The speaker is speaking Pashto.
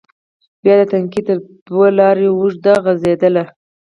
بیا د تنگي تر دوه لارې اوږده غزیدلې،